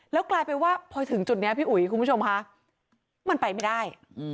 แล้วกลายเป็นว่าพอถึงจุดนี้พี่อุ๋ยคุณผู้ชมค่ะมันไปไม่ได้